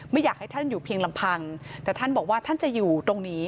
ไม่อยากให้ท่านอยู่เพียงลำพังแต่ท่านบอกว่าท่านจะอยู่ตรงนี้